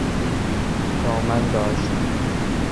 دامن داشت